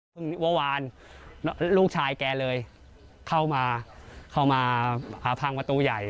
เมื่อวานลูกชายแกเลยเข้ามาหาพังวัตูใหญ่